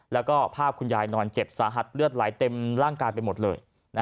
แล้วก็ภาพคุณยายนอนเจ็บสาหัสเลือดไหลเต็มร่างกายไปหมดเลย